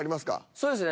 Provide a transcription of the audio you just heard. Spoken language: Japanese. そうですね